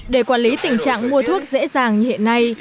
để quản lý tình trạng mua thuốc dễ dàng như hiện nay